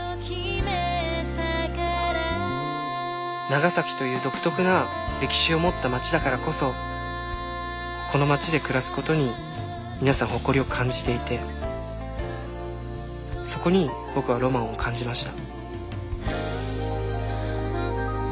長崎という独特な歴史を持った町だからこそこの町で暮らすことに皆さん誇りを感じていてそこに僕はロマンを感じました。